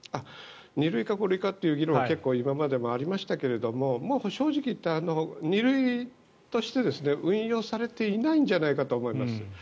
２類か５類かという議論は結構、今までもありましたがもう正直言って２類として運用されていないんじゃないかと思います。